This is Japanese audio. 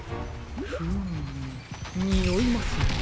フームにおいますね。